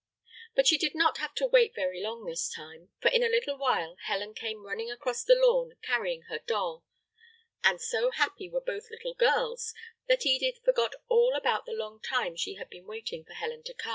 But she did not have to wait very long this time, for in a little while Helen came running across the lawn carrying her doll; and so happy were both little girls that Edith forgot all about the long time she had been waiting for Helen to come.